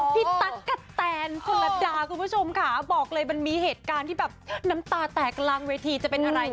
พี่ออคะแชอลลชมคะบอกเลยมันมีเหตุการณ์ที่แบบน้ำตาแตกกลางเวทีจะเป็นอะไร